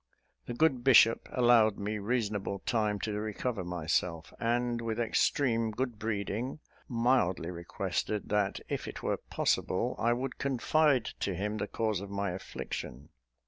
The good bishop allowed me reasonable time to recover myself, and, with extreme good breeding, mildly requested that, if it were possible, I would confide to him the cause of my affliction.